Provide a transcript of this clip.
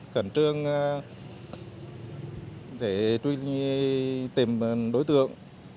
cẩn trương để tìm đối tượng